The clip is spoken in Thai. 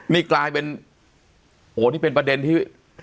นี่กลายเป็นโอ้โหนี่เป็นประเด็นที่